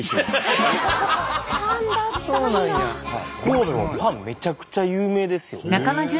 神戸もパンめちゃくちゃ有名ですよ。